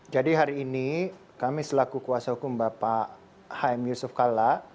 jadi hari ini kami selaku kuasa hukum bapak hm yusuf kalla